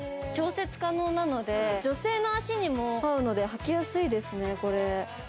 調節可能なので、女性の足にも合うので履きやすいですね、これ。